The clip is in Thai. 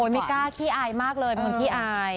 ไม่กล้าขี้อายมากเลยเป็นคนขี้อาย